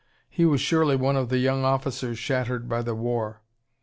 He was surely one of the young officers shattered by the war.